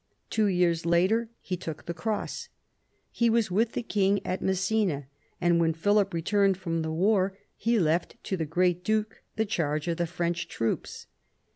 Two years later he took the cross. He was with the king at Messina, and when Philip returned from thenar he left to the great duke the charge of the French troops.